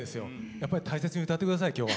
やっぱり大切に歌って下さい今日は。